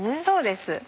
そうです